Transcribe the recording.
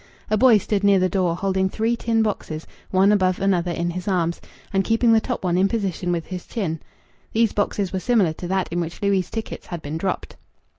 A boy stood near the door holding three tin boxes one above another in his arms, and keeping the top one in position with his chin. These boxes were similar to that in which Louis' tickets had been dropped.